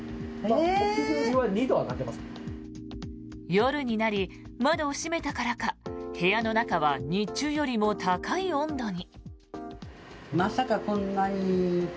夜になり、窓を閉めたからか部屋の中は日中よりも高い温度に。